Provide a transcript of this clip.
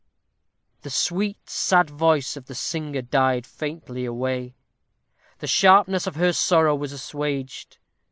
_ The sweet, sad voice of the singer died faintly away. The sharpness of her sorrow was assuaged.